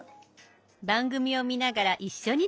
番組を見ながら一緒にできます。